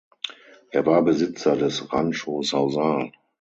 Er war Besitzer des Rancho Sausal.